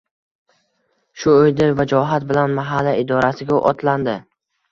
Shu oʻyda vajohat bilan mahalla idorasiga otlandi.